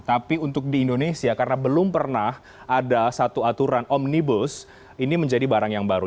tapi untuk di indonesia karena belum pernah ada satu aturan omnibus ini menjadi barang yang baru